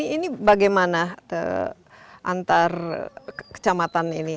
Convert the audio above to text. ini bagaimana antar kecamatan ini